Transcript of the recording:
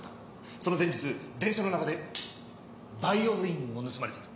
その前日電車の中でヴァイオリンを盗まれている。